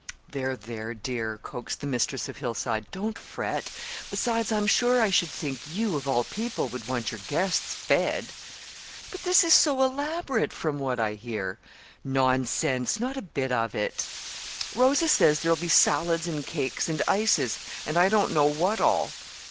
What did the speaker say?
"There, there, dear," coaxed the mistress of Hillside, "don't fret. Besides, I'm sure I should think you, of all people, would want your guests fed!" "But this is so elaborate, from what I hear." "Nonsense! Not a bit of it." "Rosa says there'll be salads and cakes and ices and I don't know what all."